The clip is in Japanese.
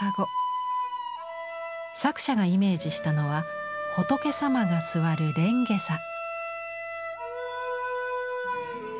作者がイメージしたのは仏様が座る蓮華座。